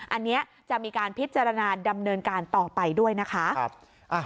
อันนี้จะมีการพิจารณาดำเนินการต่อไปด้วยนะคะ